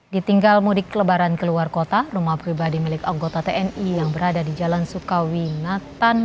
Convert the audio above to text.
ditinggal mudik lebaran keluar kota rumah pribadi milik anggota tni yang berada di jalan sukawi natan